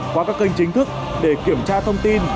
qua các kênh chính thức để kiểm tra thông tin